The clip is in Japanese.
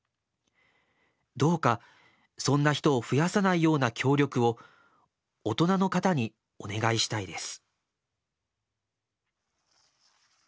どうかそんな人を増やさないような協力を大人の方にお願いしたいです」。